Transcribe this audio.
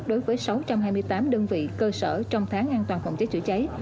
đối với sáu trăm hai mươi tám đơn vị cơ sở trong tháng an toàn phòng cháy chữa cháy